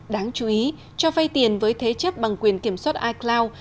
đáng chú ý cho vay tiền với thế chấp bằng quyền kiểm soát icloud